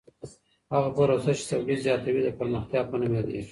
هغه پروسه چي تولید زیاتوي د پرمختیا په نوم یادیږي.